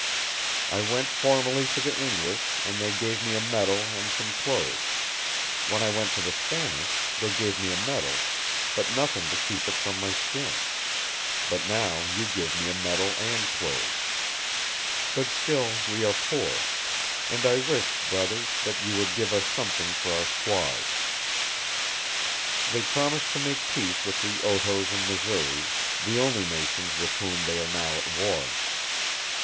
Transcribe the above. I went formerly to the English, and they gave me a medal and some clothes; when I went to the Spanish, they gave me a medal, but nothing to keep it from my skin; but now you give me a medal and clothes. But still we are poor; and I wish, brothers, that you would give us something for our squaws.' ... "They promised to make peace with the Otoes and Missouris, the only nations with whom they are now at war.